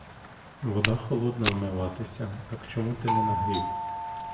Вода холодна вмиватися — так чому ти не нагрів.